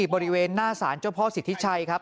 บริเวณหน้าสารเจ้าพ่อสิทธิชัยครับ